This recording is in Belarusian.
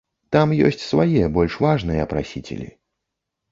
Там ёсць свае, больш важныя прасіцелі.